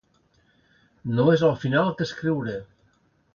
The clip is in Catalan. No és el final que escriuré.